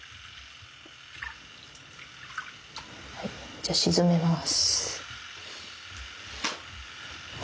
じゃあ沈めます。